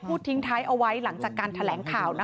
ทิ้งท้ายเอาไว้หลังจากการแถลงข่าว